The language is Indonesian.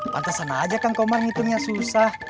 pantesan aja kang komar ngitungnya susah